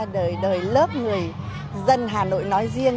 đời đời lớp người dân hà nội nói riêng